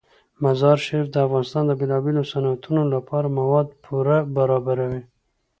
مزارشریف د افغانستان د بیلابیلو صنعتونو لپاره مواد پوره برابروي.